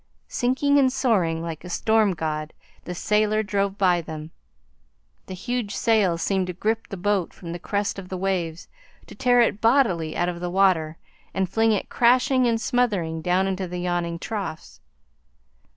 Sinking and soaring like a storm god, the sailor drove by them. The huge sail seemed to grip the boat from the crests of the waves, to tear it bodily out of the water, and fling it crashing and smothering down into the yawning troughs.